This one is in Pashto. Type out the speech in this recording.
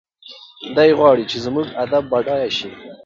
دی غواړي چې زموږ ادب بډایه شي.